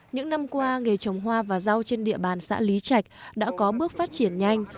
những năm qua nghề trồng hoa và rau trên địa bàn xã lý trạch đã có bước phát triển nhanh